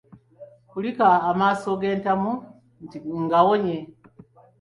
Kulika amaaso g'entamu nti ngawonye.